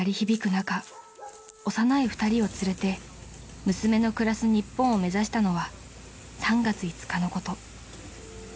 中幼い２人を連れて娘の暮らす日本を目指したのは］